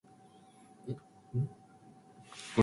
Sharp ornaments and objects in the aquarium are inadvisable.